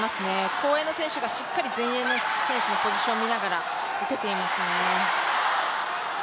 後衛の選手がしっかり前衛の選手のポジション見ながら打てていますね。